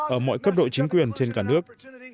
ở mọi cấp độ chính quyền trên cả nước